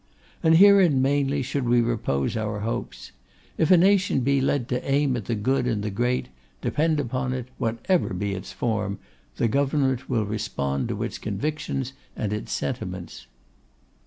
And herein mainly should we repose our hopes. If a nation be led to aim at the good and the great, depend upon it, whatever be its form, the government will respond to its convictions and its sentiments.